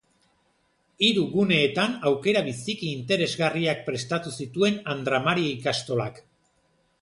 Hiru guneetan aukera biziki interesgarriak prestatu zituen Andra Mari Ikastolak.